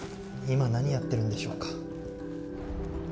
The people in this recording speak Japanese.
今何やってるんでしょうか